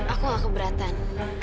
aku gak keberatan